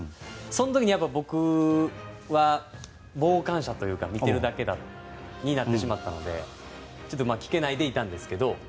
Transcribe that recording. その時に僕は傍観者というか見てるだけになってしまったので聞けないでいたんですけど。